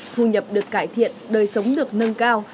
thu nhập được cải thiện đời sống được nâng cao